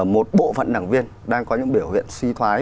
một bộ phận đảng viên đang có những biểu hiện suy thoái